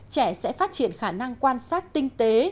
trẻ sẽ phát triển khả năng quan sát tinh tế